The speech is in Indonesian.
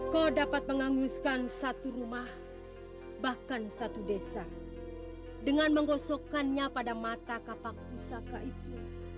kau dapat menghanguskan satu rumah bahkan satu desa dengan menggosokkannya pada mata kapak pusaka itu